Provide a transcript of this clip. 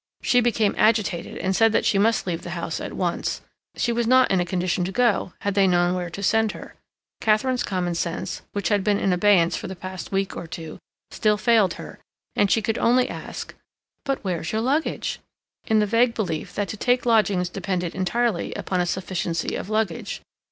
She became agitated and said that she must leave the house at once. She was not in a condition to go, had they known where to send her. Katharine's common sense, which had been in abeyance for the past week or two, still failed her, and she could only ask, "But where's your luggage?" in the vague belief that to take lodgings depended entirely upon a sufficiency of luggage.